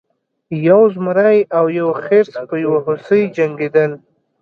یو زمری او یو خرس په یو هوسۍ جنګیدل.